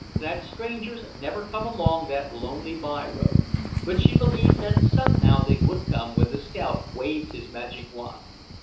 that strangers never came along that lonely by road. But she believed that somehow they would come when the scout waved his magic wand.